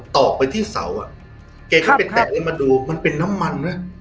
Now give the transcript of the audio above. ตอกไปที่เสาอะครับแกเข้าไปแตะเลยมาดูมันเป็นน้ำมันนะ